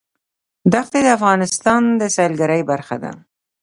دښتې د افغانستان د سیلګرۍ برخه ده.